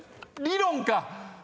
「理論」か！